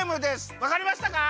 わかりましたか？